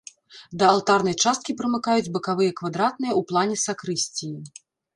Да алтарнай часткі прымыкаюць бакавыя квадратныя ў плане сакрысціі.